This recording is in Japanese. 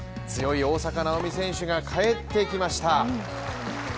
強い大坂なおみ選手が帰ってきました。